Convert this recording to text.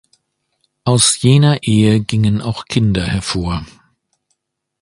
Aus jener Ehe gingen auch Kinder hervor.